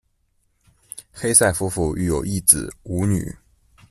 黑塞夫妇育有一子五女。